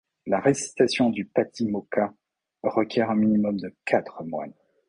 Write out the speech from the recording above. La récitation du patimokkha requiert un minimum de quatre moines.